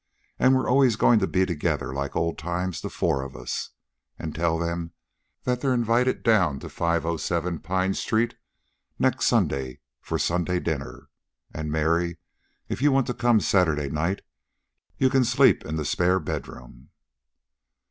And we're always going to be together, like old times, the four of us. And tell them they're invited down to 507 Pine Street next Sunday for Sunday dinner. And, Mary, if you want to come Saturday night you can sleep in the spare bedroom."